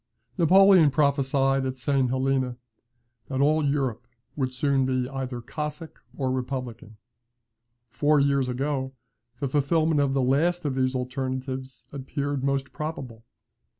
Napoleon prophesied at St. Helena, that all Europe would soon be either Cossack or Republican. Four years ago, the fulfilment of the last of these alternatives appeared most probable.